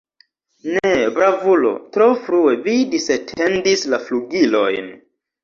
Ne, bravulo, tro frue vi disetendis la flugilojn!